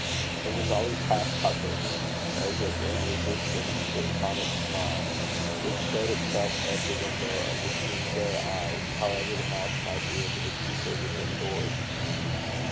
It was always half puckered as if in resistance to a comic smile, which showed itself at the windows of the keen gray eyes, however the mouth might be able to keep it within doors.